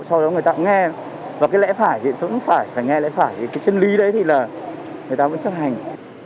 sau đó người ta cũng nghe và cái lẽ phải thì cũng phải phải nghe lẽ phải cái chân lý đấy thì là người ta cũng chấp hành